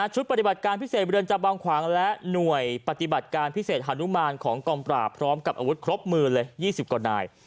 ชุดปฏิบัติการพิเศษเรือนจำบางขวางและหน่วยปฏิบัติการพิเศษฮานุมานของกองปราบพร้อมกับอาวุธครบมือเลย๒๐กว่านาย